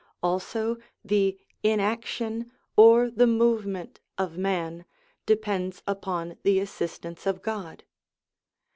Also the inaction, or the movement of man, depends upon the assistance of God.